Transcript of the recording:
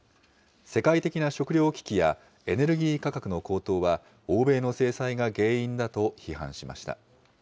世界的な食料危機やエネルギー価格の高騰は欧米の制裁が原因だと批判しました。